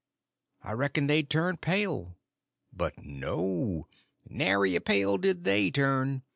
I reckoned they'd turn pale. But no, nary a pale did they turn.